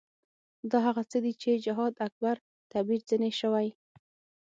دا هغه څه دي چې جهاد اکبر تعبیر ځنې شوی.